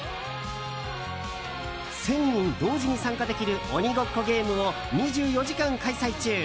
１０００人同時に参加できる鬼ごっこゲームを２４時間開催中。